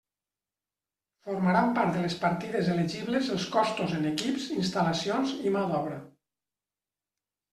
Formaran part de les partides elegibles els costos en equips, instal·lacions i mà d'obra.